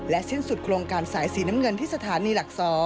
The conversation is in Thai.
สิ้นสุดโครงการสายสีน้ำเงินที่สถานีหลัก๒